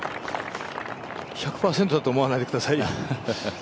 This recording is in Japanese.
１００％だと思わないでください。